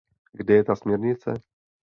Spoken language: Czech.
Kde je ta směrnice?